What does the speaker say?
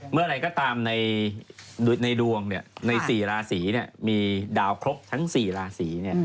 เมื่อไหร่ก็ตามในดวงใน๔ราศีมีดาวครบทั้ง๔ราศี